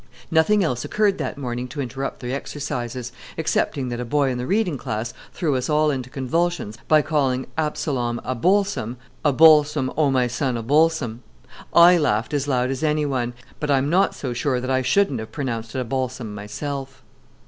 Nothing else occurred that morning to interrupt the exercises, excepting that a boy in the reading class threw us all into convulsions by calling Absalom A bol' som "Abolsom, O my son Abolsom!" I laughed as loud as anyone, but I am not so sure that I shouldn't have pronounced it Abolsom myself.